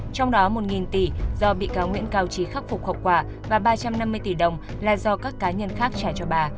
trong đó một tỷ do bị cáo nguyễn cao trí khắc phục hậu quả và ba trăm năm mươi tỷ đồng là do các cá nhân khác trả cho bà